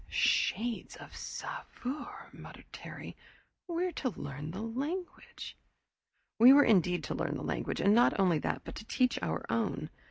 "Shades of Sauveur!" muttered Terry. "We're to learn the language!" We were indeed to learn the language, and not only that, but to teach our own.